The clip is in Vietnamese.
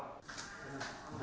nghệ an là địa phương